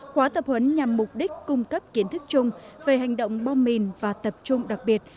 khóa tập huấn nhằm mục đích cung cấp kiến thức chung về hành động bom mìn và tập trung đặc biệt